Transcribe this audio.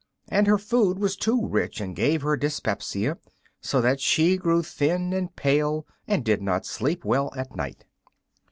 And her food was too rich and gave her dyspepsia, so that she grew thin and pale and did not sleep well at night.